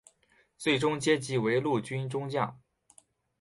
最终阶级为陆军中将。